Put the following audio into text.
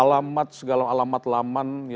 alamat segala alamat laman ya situsnya itu lengkapnya